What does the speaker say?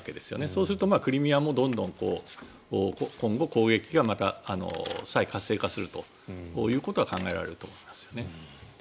そうするとクリミアもどんどん今後、攻撃が再活性化するということは考えられると思いますよね。